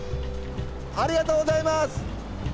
ありがとうございます！